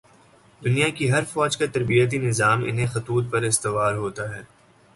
دنیا کی ہر فوج کا تربیتی نظام انہی خطوط پر استوار ہوتا ہے۔